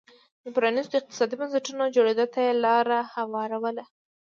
د پرانیستو اقتصادي بنسټونو جوړېدو ته یې لار هواروله